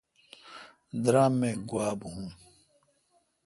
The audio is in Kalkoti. درام می گوا بھون۔